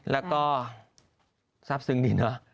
แล้วก็ทราบซึ้งดีเนอะ